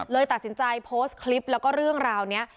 ตัดสินใจโพสต์คลิปแล้วก็เรื่องราวนี้